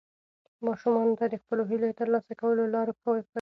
ماشومانو ته د خپلو هیلو د ترلاسه کولو لار وښایئ.